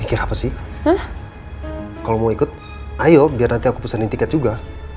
nih kira apa sih hah kalau mau ikut ayo biar nanti aku pusingin tiket juga